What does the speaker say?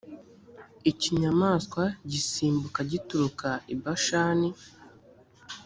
ikinyamaswa gisimbuka gituruka i bashani.»